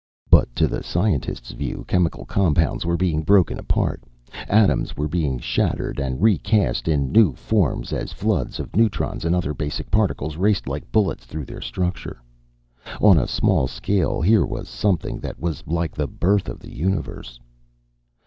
But to the scientist's view, chemical compounds were being broken apart; atoms were being shattered, and recast in new forms, as floods of neutrons, and other basic particles raced like bullets through their structure. On a small scale, here was something that was like the birth of the universe.